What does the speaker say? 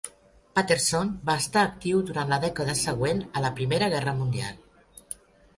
Patterson va estar actiu durant la dècada següent a la Primera Guerra Mundial.